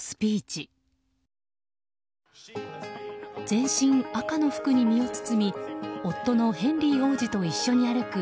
全身赤の服に身を包み夫のヘンリー王子と一緒に歩く